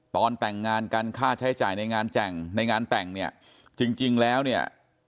ตอนแต่งงานการค่าใช้จ่ายในงานแต่งเนี่ยจริงแล้วเนี่ย